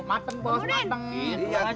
sekarang kau juga harus minta maaf